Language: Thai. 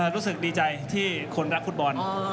รู้สึกดีใจที่คนรักฟุตบอล